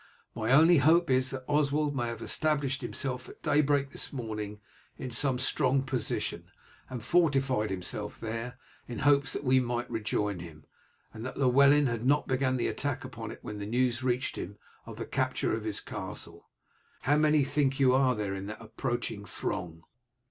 My only hope is that Oswald may have established himself at daybreak this morning in some strong position, and fortified himself there, in hopes that we might rejoin him, and that Llewellyn had not begun the attack upon it when the news reached him of the capture of his castle. How many, think you, are there in that approaching throng?"